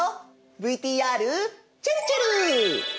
ＶＴＲちぇるちぇる！